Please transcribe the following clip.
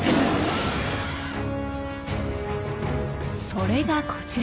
それがこちら。